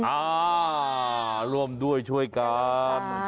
อ่าร่วมด้วยช่วยกัน